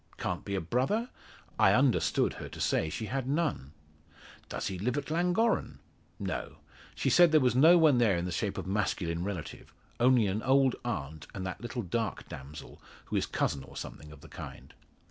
Can't be a brother? I understood her to say she had none. Does he live at Llangorren? No. She said there was no one there in the shape of masculine relative only an old aunt, and that little dark damsel, who is cousin or something of the kind.